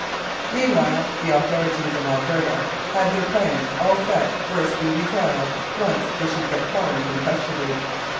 " Meanwhile the authorities in Alberta had their plans all set for a speedy trial once they should get Collins in custody.